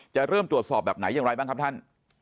จะเริ่มตรวจสอบแบบไหนอย่างไรบ้างครับท่าน